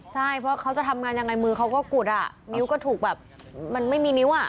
ใช่เพราะเขาจะทำงานยังไงมือเขาก็กุดอ่ะนิ้วก็ถูกแบบมันไม่มีนิ้วอ่ะ